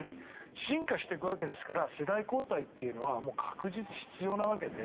進化していくわけですから世代交代というのは確実、必要なわけで。